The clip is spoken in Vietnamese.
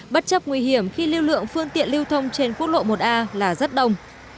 bất chấp nguy hiểm khi lưu lượng phương tiện lưu thông trên quốc lộ một a là rất đông